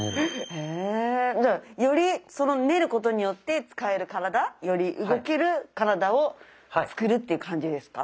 じゃあより練ることによって使える体より動ける体を作るっていう感じですか？